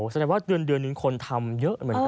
สำนักว่าเดือนหนึ่งคนทำเยอะเหมือนกันนะ